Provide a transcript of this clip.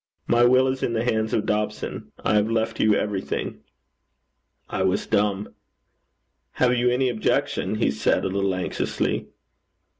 My will is in the hands of Dobson. I have left you everything.' I was dumb. 'Have you any objection?' he said, a little anxiously.